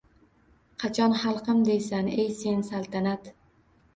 Qachon “Xalqim!” deysan, ey sen, saltanat?!